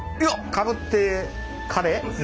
かぶってカレーやって。